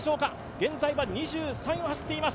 現在は２３位を走っています。